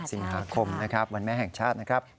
สิงหาคมวันแม่แห่งชาตินะครับ